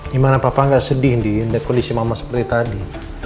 gimana papa gak sedih di kondisi mama seperti tadi